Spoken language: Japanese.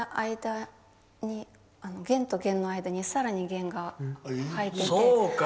弦と弦の間にさらに弦が入ってて。